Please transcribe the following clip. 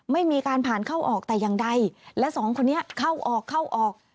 ไม่มีการผ่านเข้าออกแต่อย่างใดและ๒คนนี้เข้าออก